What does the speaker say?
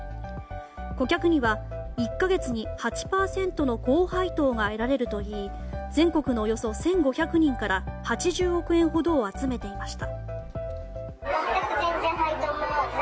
顧客には１か月に８％の高配当が得られるといい全国のおよそ１５００人から８０億円ほどを集めていました。